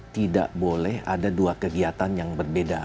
tidak boleh ada dua kegiatan yang berbeda